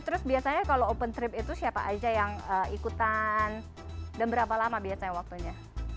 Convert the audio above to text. terus biasanya kalau open trip itu siapa aja yang ikutan dan berapa lama biasanya waktunya